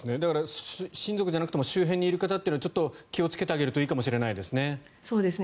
親族じゃなくても周辺にいる方はちょっと気をつけてあげるといいかもしれないですね。